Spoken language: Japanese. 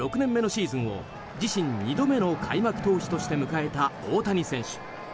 メジャー６年目のシーズンを自身２度目の開幕投手として迎えた大谷選手。